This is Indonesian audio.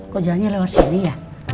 kok jalannya lewat sini ya